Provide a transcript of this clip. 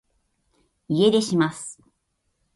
家出します